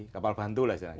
kapal bantu lah sebenarnya